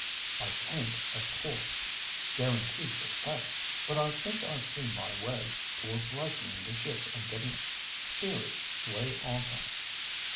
"I can't, of course, guarantee success, but I think I see my way towards lightening the ship and getting steerage way on her."